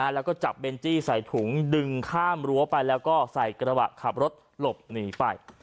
แล้วก็จับเบนจี้ใส่ถุงดึงข้ามรั้วไปแล้วก็ใส่กระบะขับรถหลบหนีไป